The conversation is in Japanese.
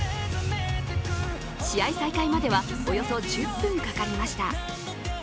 試合再開まではおよそ１０分かかりました。